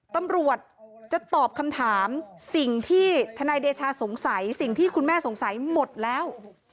ตำรวจจะตอบคำถามสิ่งที่ทนายเดชาสงสัยสิ่งที่คุณแม่สงสัยหมดแล้ว